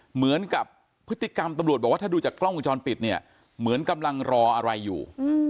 เหมือนกับพฤติกรรมตำรวจบอกว่าถ้าดูจากกล้องวงจรปิดเนี่ยเหมือนกำลังรออะไรอยู่